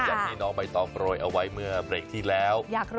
อยากให้น้องไปต่อโปรยเอาไว้เมื่อเบรคที่แล้ว